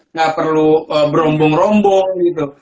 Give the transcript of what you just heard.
nggak perlu berombong rombong gitu